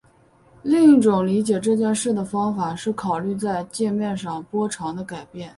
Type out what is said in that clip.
另一种理解这件事的方法是考虑在界面上波长的改变。